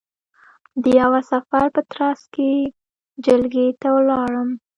د یوه سفر په ترځ کې جلگې ته ولاړم،